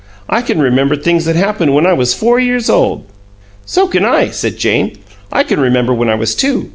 "I can remember things that happened when I was four years old." "So can I," said Jane. "I can remember when I was two.